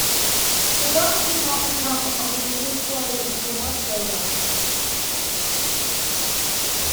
The dots did not become obligatory until much later.